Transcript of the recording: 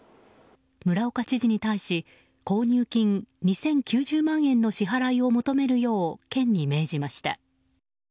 村岡知事に対し購入金２０９０万円の支払いを求めるよう県に命じました。